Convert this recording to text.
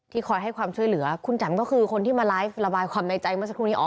คอยให้ความช่วยเหลือคุณแจ๋มก็คือคนที่มาไลฟ์ระบายความในใจเมื่อสักครู่นี้